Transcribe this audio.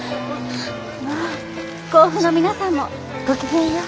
まあ甲府の皆さんもごきげんよう。